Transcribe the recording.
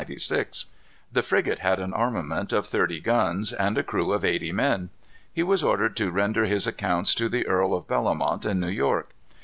The frigate had an armament of thirty guns, and a crew of eighty men. He was ordered to render his accounts to the Earl of Bellomont in New York.